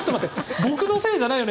僕のせいじゃないよね？